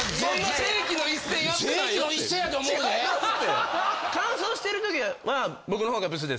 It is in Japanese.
世紀の一戦やと思うで！